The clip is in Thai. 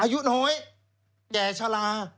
อายุน้อยแก่ชะลา